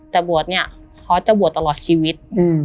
แต่บวชเนี่ยเขาจะบวชตลอดชีวิต